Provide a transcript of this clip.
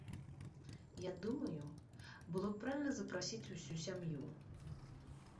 Я думаю, было правільна запрасіць усю сям'ю.